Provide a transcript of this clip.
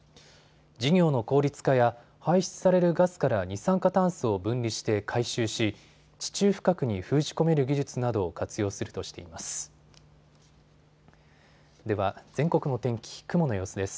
事業の効率化や排出されるガスから二酸化炭素を分離して回収し地中深くに封じ込める技術などを活用するとしています。